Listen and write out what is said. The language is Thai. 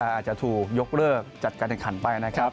อาจจะถูกยกเลิกจัดการแข่งขันไปนะครับ